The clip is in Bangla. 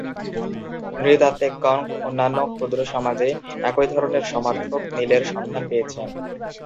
নৃ-তাত্ত্বিকগণ অন্যান্য ক্ষুদ্র সমাজে একই ধরনের সমার্থক মিলের সন্ধান পেয়েছেন।